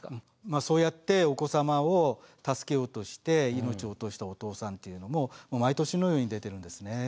まあそうやってお子様を助けようとして命を落としたお父さんっていうのも毎年のように出てるんですね。